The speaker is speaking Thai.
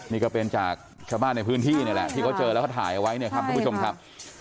นี่ก็เป็นจากชาวบ้านในพื้นที่นี่แหละที่เขาเจอแล้วเขาถ่ายเอาไว้เนี่ยครับทุกผู้ชมครับ